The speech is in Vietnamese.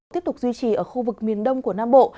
tiếp tục duy trì ở khu vực miền đông của nam bộ